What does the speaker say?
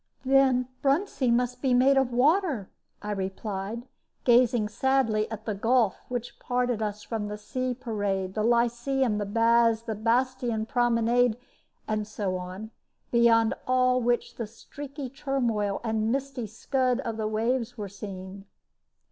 "Then Bruntsea must be made of water," I replied, gazing sadly at the gulf which parted us from the Sea Parade, the Lyceum, and Baths, the Bastion Promenade, and so on; beyond all which the streaky turmoil and misty scud of the waves were seen.